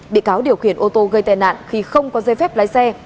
bị cáo điều khiển ô tô gây tai nạn khi không có dây phép lái xe